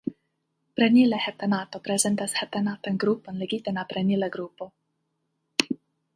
Prenila heptanato prezentas heptanatan grupon ligitan al prenila grupo.